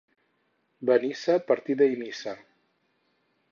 Benissa, partida i missa.